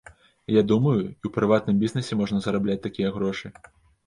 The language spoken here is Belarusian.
Я думаю, і ў прыватным бізнэсе можна зарабляць такія грошы.